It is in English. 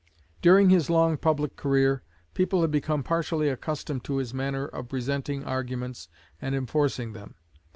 During his long public career, people had become partially accustomed to his manner of presenting arguments and enforcing them.